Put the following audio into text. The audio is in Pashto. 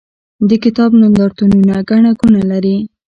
د کتاب نندارتونونه ګڼه ګوڼه لري.